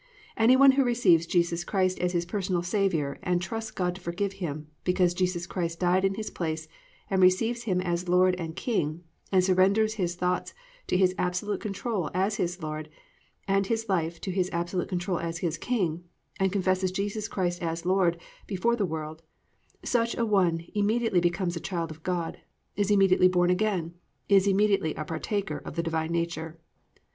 Any one who receives Jesus Christ as his personal Saviour and trusts God to forgive him because Jesus Christ died in his place and receives him as his Lord and King, and surrenders his thoughts to His absolute control as his Lord and his life to His absolute control as his King and confesses Jesus Christ as Lord before the world, such a one immediately becomes a child of God, is immediately born again, is immediately made a partaker of the Divine nature.